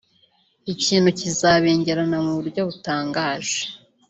ikintu kizabengerana mu buryo butangaje